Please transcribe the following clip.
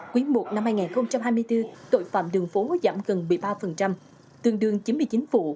quý i năm hai nghìn hai mươi bốn tội phạm đường phố giảm gần một mươi ba tương đương chín mươi chín vụ